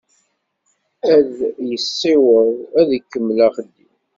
Ad yessiweḍ ad ikemmel axeddim.